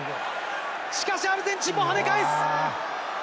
しかし、アルゼンチンもはね返す！